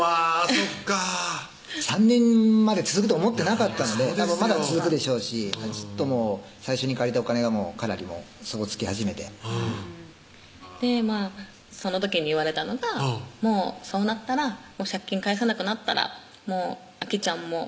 そっか３年まで続くと思ってなかったのでまだ続くでしょうし最初に借りたお金がかなり底つき始めてその時に言われたのが「もうそうなったら借金返せなくなったらアキちゃんも」